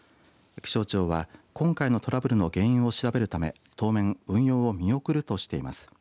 気象庁は今回のトラブルの原因を調べるため当面、運用を見送るとしています。